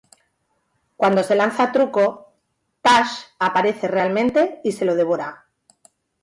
Cuando se lanza Truco, Tash aparece realmente y se lo devora.